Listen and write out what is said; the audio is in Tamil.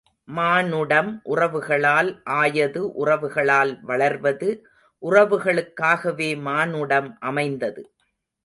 மானுடம் உறவுகளால் ஆயது உறவுகளால் வளர்வது, உறவுகளுக்காகவே மானுடம் அமைந்தது.